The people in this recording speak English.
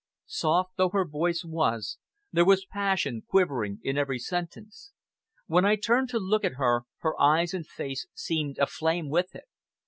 Soft though her voice was, there was passion quivering in every sentence. When I turned to look at her, her eyes and face seemed aflame with it.